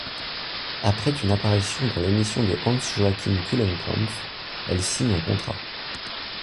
Après une apparition dans l'émission de Hans-Joachim Kulenkampff, elle signe un contrat.